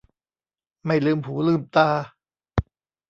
ไม่ลืมหูลืมตา